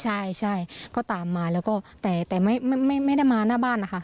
ใช่ใช่ก็ตามมาแล้วก็แต่ไม่ได้มาหน้าบ้านนะคะ